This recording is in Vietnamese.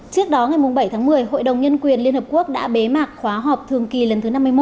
trước đó ngày bảy tháng một mươi hội đồng nhân quyền liên hợp quốc đã bế mạc khóa họp thường kỳ lần thứ năm mươi một